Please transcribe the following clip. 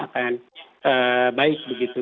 akan baik begitu